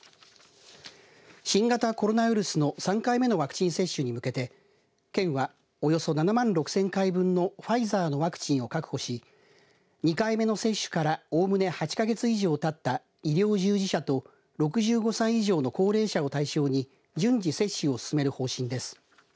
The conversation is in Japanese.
新型コロナウイルスの３回目のワクチン接種に向けて県は、およそ７万６０００回分のファイザーのワクチンを確保し２回目の接種からおおむね８か月以上たった医療従事者と６５歳以上の高齢者を対象に順次接種を進める方針です。